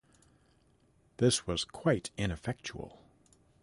This was quite ineffectual.